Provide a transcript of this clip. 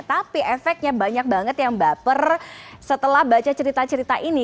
tapi efeknya banyak banget yang baper setelah baca cerita cerita ini